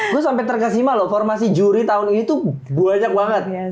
gua sampe terkesima loh formasi juri tahun ini tuh banyak banget